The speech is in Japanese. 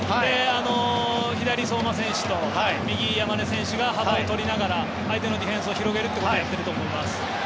左、相馬選手と右に山根選手が幅を取りながら相手のディフェンスを広げるということをやっていると思います。